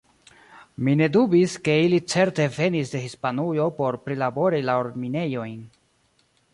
Mi ne dubis, ke ili certe venis de Hispanujo por prilabori la orminejojn.